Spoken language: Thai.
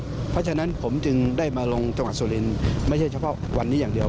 เพราะฉะนั้นผมจึงได้มาลงจังหวัดสุรินทร์ไม่ใช่เฉพาะวันนี้อย่างเดียว